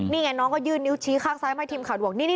นี่ไงน้องก็ยื่นนิ้วชี้ข้างซ้ายมาให้ทีมข่าวดูบอก